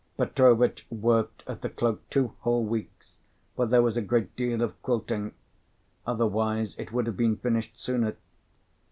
Petrovitch worked at the cloak two whole weeks, for there was a great deal of quilting: otherwise it would have been finished sooner.